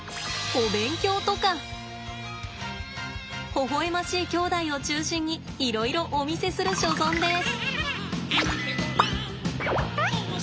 ほほ笑ましい兄弟を中心にいろいろお見せする所存です。